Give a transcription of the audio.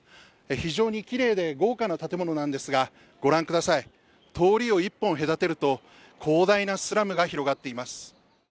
非常にきれいで豪華な建物なんですがご覧ください、通りを一本隔てると広大なスラムが広がっています。